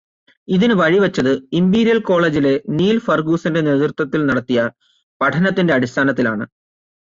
ഇതിന് വഴിവെച്ചത് ഇംപീരിയൽ കോളേജിലെ നീൽ ഫർഗൂസന്റെ നേതൃത്വത്തിൽ നടത്തിയ പഠനത്തിന്റെ അടിസ്ഥാനത്തിലാണ്.